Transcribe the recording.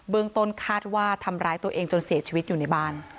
ต้นคาดว่าทำร้ายตัวเองจนเสียชีวิตอยู่ในบ้าน